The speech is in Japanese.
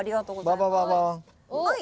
ババババン。